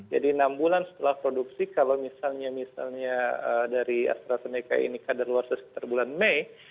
jadi enam bulan setelah produksi kalau misalnya dari astrazeneca ini kadar luar sekitar bulan mei